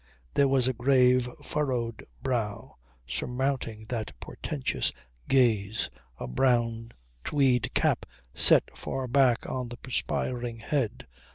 There was a grave, furrowed brow surmounting that portentous gaze, a brown tweed cap set far back on the perspiring head.